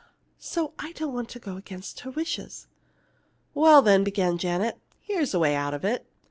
So I don't want to go against her wishes." "Well, then," began Janet, "here's a way out of it.